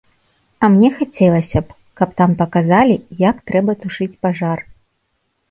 А мне хацелася б, каб там паказалі, як трэба тушыць пажар.